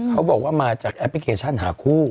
เขาบอกว่ามาจากแอปพลิเคชันหาคู่